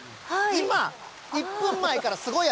今、１分前からすごい雨。